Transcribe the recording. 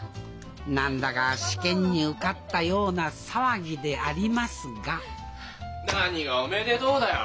何だか試験に受かったような騒ぎでありますがなにがおめでとうだよ。